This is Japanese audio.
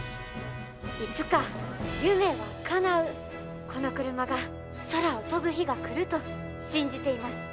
「いつか夢はかなうこのクルマが空を飛ぶ日が来ると信じています。